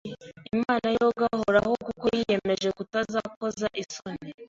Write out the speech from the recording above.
Imana yogahoraho kuko yiyemeje kutazakoza isoni